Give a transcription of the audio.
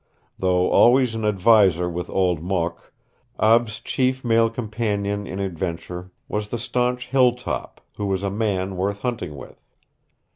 Though always an adviser with Old Mok, Ab's chief male companion in adventure was the stanch Hilltop, who was a man worth hunting with.